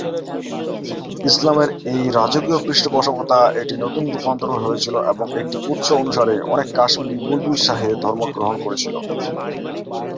ইসলামের এই রাজকীয় পৃষ্ঠপোষকতা এটি নতুন রূপান্তর হয়েছিল এবং একটি উৎস অনুসারে, অনেক কাশ্মীরি বুলবুল শাহের ধর্মকে গ্রহণ করেছিল।